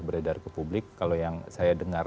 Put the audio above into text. beredar ke publik kalau yang saya dengar